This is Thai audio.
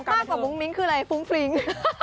มากกว่ามุ้งมิ้งคืออะไรฟุ้งฟริ้ง